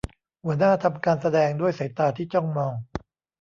หัวหน้าทำการแสดงด้วยสายตาที่จ้องมอง